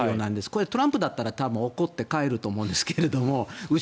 これ、トランプだったら怒って帰ると思うんですけど。